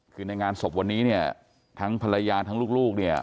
คือในงานศพวันนี้เนี่ยทั้งภรรยาทั้งลูกเนี่ย